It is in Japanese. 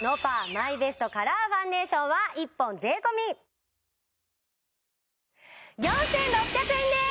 マイベストカラーファンデーションは１本税込４６００円です！